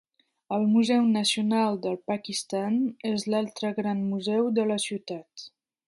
El Museu Nacional del Pakistan és l'altre gran museu de la ciutat.